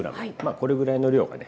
これぐらいの量がね